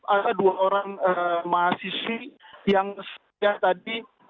ada dua orang mahasiswi yang sejak tadi